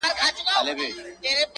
• رواني او پای یې هیچا ته څرګند نه دی -